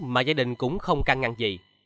mà gia đình cũng không căng ngăn gì